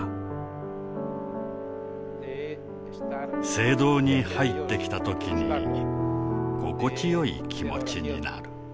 聖堂に入ってきた時に心地よい気持ちになる。